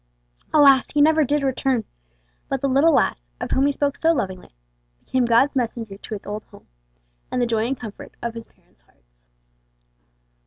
Alas! he never did return; but the "little lass," of whom he spoke so lovingly, became God's messenger to his old home, and the joy and comfort of his parents' hearts.